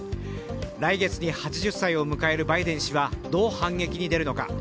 来月に８０歳を迎えるバイデン氏はどう反撃に出るのか？